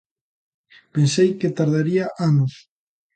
Pensei que tardaría anos.